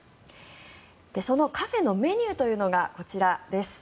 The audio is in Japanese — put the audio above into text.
そのカフェのメニューというのがこちらです。